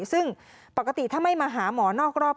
ซึ่งปกติถ้าไม่มาหาหมอนอกรอบ